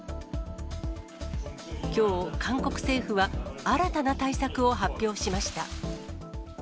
きょう、韓国政府は新たな対策を発表しました。